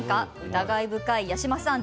疑い深い八嶋さん